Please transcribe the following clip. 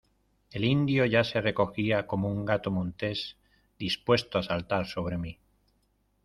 el indio ya se recogía, como un gato montés , dispuesto a saltar sobre mí.